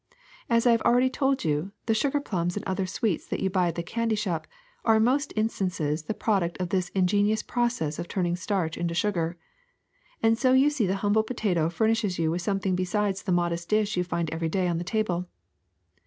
As I have already told you, the sugar plums and other sweets that you buy at the candy shop are in most instances the product of this in genious process of turning starch into sugar. And so you see the humble potato furnishes you with something besides the modest dish you find every day on the table.